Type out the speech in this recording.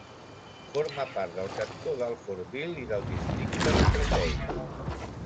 Forma part del cantó d'Alfortville i del districte de Créteil.